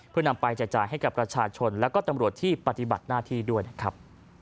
เพื่อนำไปแจกจ่ายให้กับประชาชนและก็ตำรวจที่ปฏิบัติหน้าที่ด้วยนะครับ